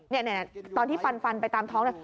นี่ตอนที่ฟันไปตามท้องนี่